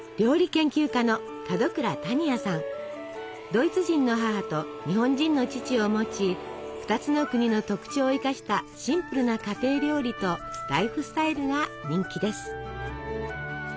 ドイツ人の母と日本人の父を持ち２つの国の特徴を生かしたシンプルな家庭料理とライフスタイルが人気です。